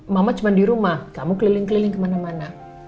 mama cuma di rumah kamu keliling keliling kemana mana